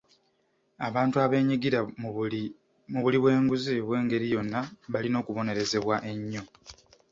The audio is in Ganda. Abantu abeenyigira mu buli bw'enguzi obw'engeri yonna balina okubonerezebwa ennyo.